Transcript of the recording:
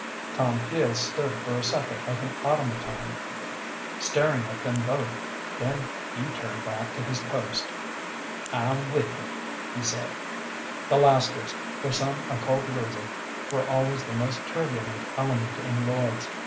Tom Peel stood for a second like an automaton, staring at them both. Then he turned back to his post. "I'm with ye," he said. The lasters, for some occult reason, were always the most turbulent element in Lloyd's.